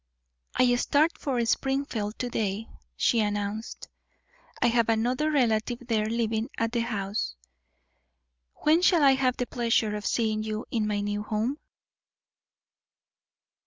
"I start for Springfield to day," she announced. "I have another relative there living at the house. When shall I have the pleasure of seeing you in my new home?"